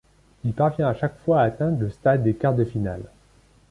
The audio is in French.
Il parvient à chaque fois à atteindre le stade des quarts de finale.